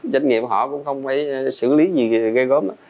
doanh nghiệp họ cũng không phải xử lý gì gây gớm